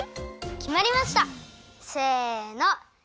きまりました！せの。